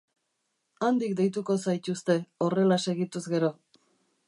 Handik deituko zaituzte, horrela segituz gero.